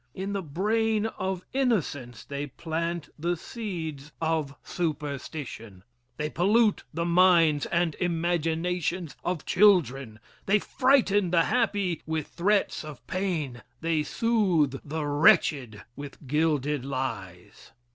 In the brain of innocence they plant the seeds of superstition. They pollute the minds and imaginations of children. They frighten the happy with threats of pain they soothe the wretched with gilded lies.